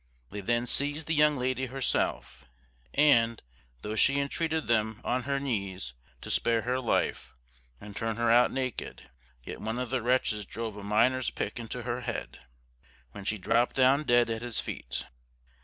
They then seized the young lady herself, and, though she entreated them, on her knees, to spare her life, and turn her out naked! yet one of the wretches drove a Miner's pick into her head, when she dropped down dead at his feet.